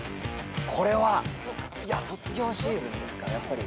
これは卒業シーズンですからやっぱり。